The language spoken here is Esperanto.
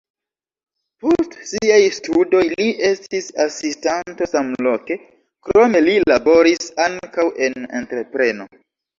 Post siaj studoj li estis asistanto samloke, krome li laboris ankaŭ en entrepreno.